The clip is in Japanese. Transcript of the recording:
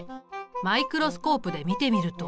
マイクロスコープで見てみると。